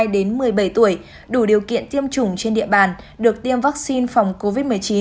đến một mươi bảy tuổi đủ điều kiện tiêm chủng trên địa bàn được tiêm vaccine phòng covid một mươi chín